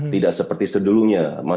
tidak seperti sedulunya